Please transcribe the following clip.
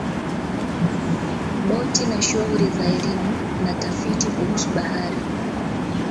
Boti na shughuli za elimu na tafiti kuhusu bahari